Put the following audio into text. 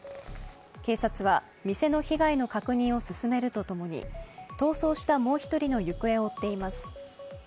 警察は店の被害の確認を進めるとともに、逃走したもう１人の行方を追っています。